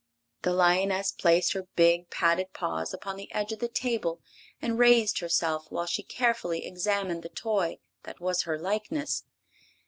The lioness placed her big, padded paws upon the edge of the table and raised herself while she carefully examined the toy that was her likeness.